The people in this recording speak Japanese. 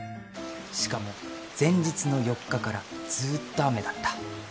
しかも前日の４日からずっと雨だった。